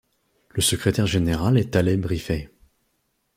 Le secrétaire général est Taleb Rifai.